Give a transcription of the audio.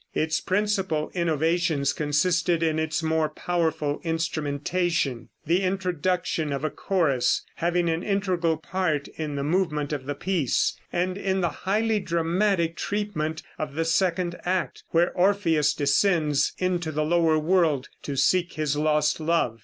Its principal innovations consisted in its more powerful instrumentation, the introduction of a chorus having an integral part in the movement of the piece, and in the highly dramatic treatment of the second act, where Orpheus descends into the lower world to seek his lost love.